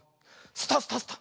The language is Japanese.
スタスタスタ。